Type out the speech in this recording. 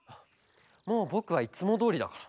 もうぼくはいつもどおりだから。